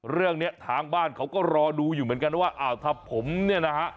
เรื่องนี้ทางบ้านเขาก็รอดูอยู่เหมือนกันว่าอ้าวถ้าผมเนี่ยนะฮะ